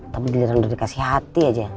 tapi dilarang udah dikasih hati aja